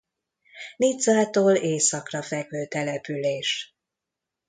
Nizzától északra fekvő település.